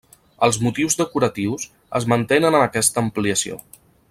Els motius decoratius es mantenen en aquesta ampliació.